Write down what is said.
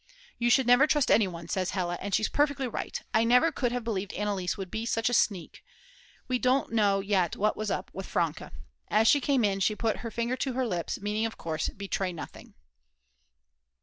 "You should never trust anyone," says Hella, and she's perfectly right. I never could have believed Anneliese would be such a sneak. We don't know yet what was up with Franke. As she came in she put her finger to her lips, meaning of course "Betray nothing!"